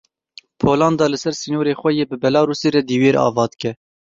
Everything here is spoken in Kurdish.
Polanda li ser sînorê xwe yê bi Belarusê re dîwêr ava dike.